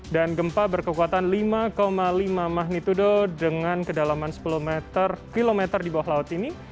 dan gempa berkekuatan lima lima mahnitudo dengan kedalaman sepuluh km di bawah laut ini